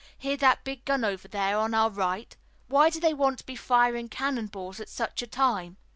Hear that big gun over there on our right! Why do they want to be firing cannon balls at such a time?"